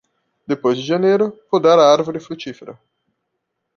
Depois de janeiro, podar a árvore frutífera.